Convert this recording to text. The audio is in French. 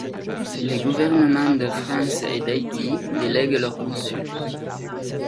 Les gouvernements de France et d'Haïti délèguent leurs consuls.